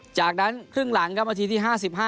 จากนั้นครึ่งหลังครับนาทีที่๕๕